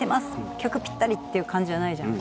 曲ピッタリっていう感じじゃないじゃん。